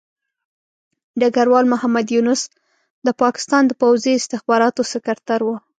ډګروال محمد یونس د پاکستان د پوځي استخباراتو سکرتر وو.